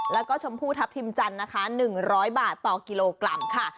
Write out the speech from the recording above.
แล้วก็ชมพูทัพทิมจันทร์นะคะ๑๐๐บาทต่อกิโลกรัมค่ะ